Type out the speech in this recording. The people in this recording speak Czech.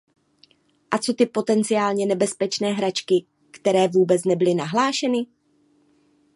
A co ty potenciálně nebezpečné hračky, které vůbec nebyly nahlášeny?